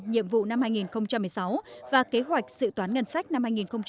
nhiệm vụ năm hai nghìn một mươi sáu và kế hoạch sự toán ngân sách năm hai nghìn hai mươi